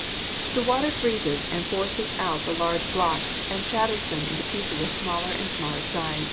The water freezes and forces out the large blocks and shatters them into pieces of smaller and smaller size.